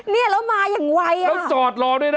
เนี่ยแล้วมาอย่างไวอ่ะแล้วจอดรอด้วยนะ